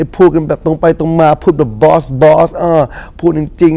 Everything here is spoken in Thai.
พูดจริงไม่ใช่เด็กนอกคอกพูดจาสามเหงาแต่ว่าไม่ที่ซอฟต์ซอฟต์